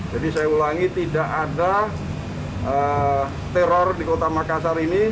jadi saya ulangi tidak ada teror di kota makassar ini